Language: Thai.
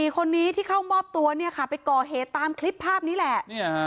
๔คนนี้ที่เข้ามอบตัวไปก่อเหตุตามคลิปภาพนี้แหละ